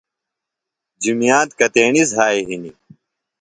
جُمیات کتیݨیۡ زھائی ہِنیۡ؟